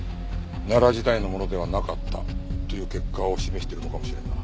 奈良時代のものではなかったという結果を示しているのかもしれんな。